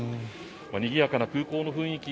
にぎやかな空港の雰囲気